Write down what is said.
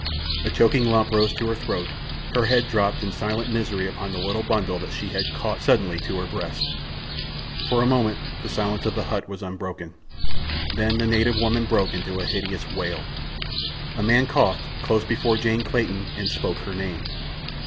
A choking lump rose to her throat, her head drooped in silent misery upon the little bundle that she had caught suddenly to her breast. For a moment the silence of the hut was unbroken. Then the native woman broke into a hideous wail. A man coughed close before Jane Clayton and spoke her name.